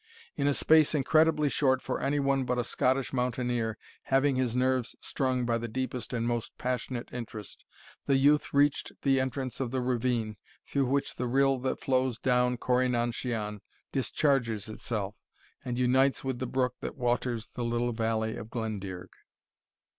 In a space incredibly short for any one but a Scottish mountaineer having his nerves strung by the deepest and most passionate interest, the youth reached the entrance of the ravine, through which the rill that flows down Corri nan shian discharges itself, and unites with the brook that waters the little valley of Glendearg.